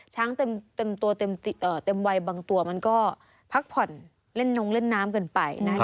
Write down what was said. ช้างเต็มตัวเต็มวัยบางตัวมันก็พักผ่อนเล่นนงเล่นน้ำกันไปนะคะ